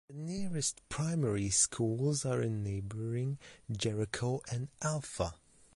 The nearest primary schools are in neighbouring Jericho and Alpha.